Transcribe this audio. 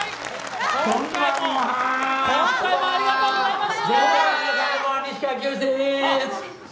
今回もありがとうございます！